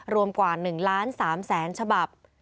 รวมกว่า๑๓๐๐๐๐๐ฉบับ